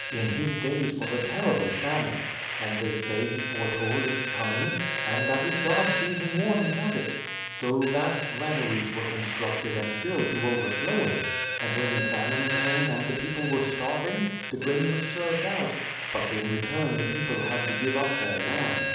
In his days was a terrible famine, and they say he foretold its coming, and that his gods gave him warning of it. So vast granaries were constructed and filled to overflowing, and when the famine came and the people were starving the grain was served out, but in return the people had to give up their land.